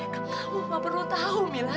kamu gak perlu tahu mila